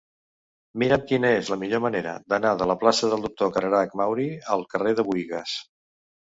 Mira'm quina és la millor manera d'anar de la plaça del Doctor Cararach Mauri al carrer de Buïgas.